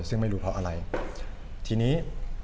ก็คือทำไมผมถึงไปยื่นคำร้องต่อสารเนี่ย